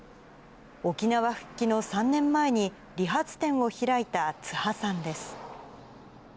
沖縄復帰の３年前に、理髪店を開いた津覇さんです。